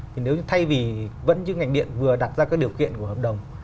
thì nếu như thay vì vẫn như ngành điện vừa đặt ra các điều kiện của hợp đồng